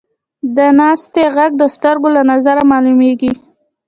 د ناستې ږغ د سترګو له نظره معلومېږي.